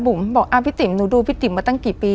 บุ๋มบอกอะพี่ติมหนูดูพี่ติมมาตั้งกี่ปี